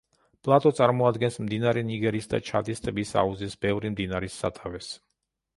პლატო წარმოადგენს მდინარე ნიგერის და ჩადის ტბის აუზის ბევრი მდინარის სათავეს.